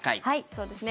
そうですね。